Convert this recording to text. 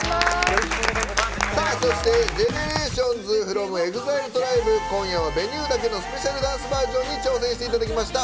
そしてＧＥＮＥＲＡＴＩＯＮＳｆｒｏｍＥＸＩＬＥＴＲＩＢＥ今夜は「Ｖｅｎｕｅ１０１」だけのスペシャルダンスバージョンに挑戦していただきました。